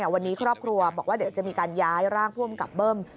วันนี้ครอบครัวบอกว่าเดี๋ยวจะมีการย้ายร่างผู้อำกับเบิ้ม